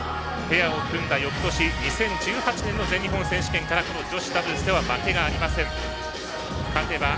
ペアを組んだ翌年２０１８年の全日本選手権から女子ダブルスは負けがありません。